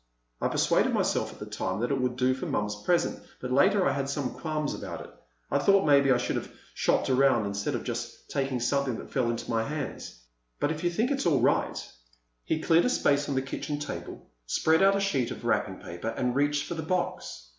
I persuaded myself at the time that it would do for Mom's present, but later I had some qualms about it. I thought maybe I should have shopped around, instead of just taking something that fell into my hands. But if you think it's all right—" He cleared a space on the kitchen table, spread out a sheet of wrapping paper, and reached for the box.